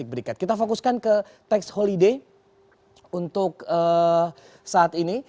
kita fokuskan ke tax holiday untuk saat ini